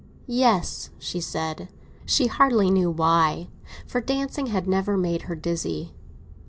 "Yes," she said; she hardly knew why, for dancing had never made her dizzy.